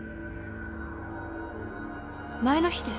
前の日です。